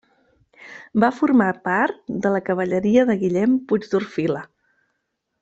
Va formar part de la cavalleria de Guillem Puigdorfila.